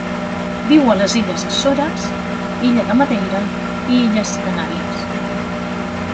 Viu a les Illes Açores, Illa de Madeira i Illes Canàries.